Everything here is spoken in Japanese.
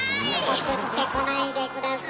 送ってこないで下さい。